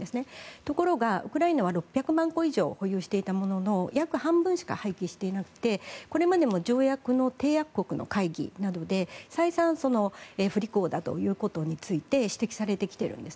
ところがウクライナは６００万個以上保有していたものの約半分しか廃棄していなくてこれまでも条約の締約国の会議などで再三不履行だということについて指摘されてきているんです。